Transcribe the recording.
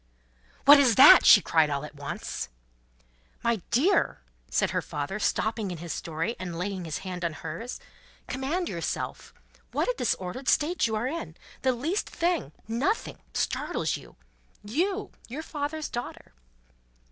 "What is that?" she cried, all at once. "My dear!" said her father, stopping in his story, and laying his hand on hers, "command yourself. What a disordered state you are in! The least thing nothing startles you! You, your father's daughter!"